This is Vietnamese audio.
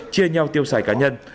chia nhau tiêu xài cá nhân